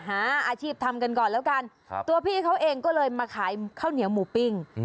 หาอาชีพทำกันก่อนแล้วกันตัวพี่เขาเองก็เลยมาขายข้าวเหนียวหมูปิ้ง